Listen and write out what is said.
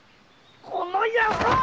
この野郎！